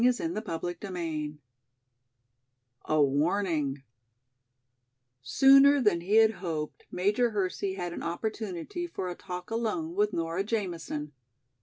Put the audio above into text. CHAPTER XIX A Warning SOONER than he had hoped Major Hersey had an opportunity for a talk alone with Nora Jamison.